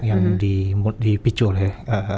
yang di picul ya